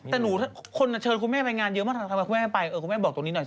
แต่หนูคนเชิญคุณแม่ไปงานเยอะมากทำไมคุณแม่ไปคุณแม่บอกตรงนี้หน่อย